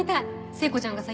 聖子ちゃんがさ